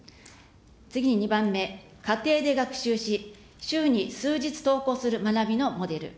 次に２番目、家庭で学習し、週に数日登校する学びのモデル。